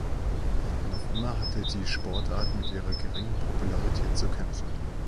Noch immer hatte die Sportart mit ihrer geringen Popularität zu kämpfen.